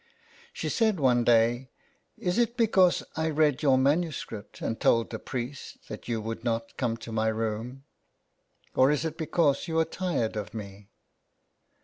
She said one day :*' Is it because I read your manuscript and told the priest, that you would not come to my room, or is it because you are tired of me